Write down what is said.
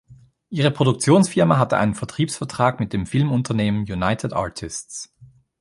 Ihre Produktionsfirma hatte einen Vertriebsvertrag mit dem Filmunternehmen United Artists.